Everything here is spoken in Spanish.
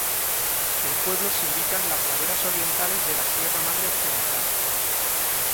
El pueblo se ubica en las laderas orientales de la Sierra Madre Occidental.